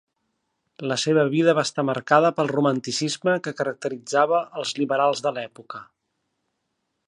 La seva vida va estar marcada pel romanticisme que caracteritzava els liberals de l'època.